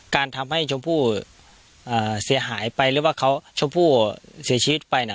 การทำให้ชมพู่เสียหายไปหรือว่าเขาชมพู่เสียชีวิตไป